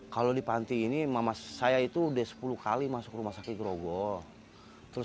kalau di panti ini mama saya itu udah sepuluh kali masuk rumah sakit grogol